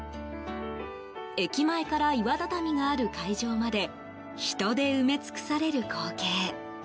駅前から岩畳がある会場まで人で埋め尽くされる光景。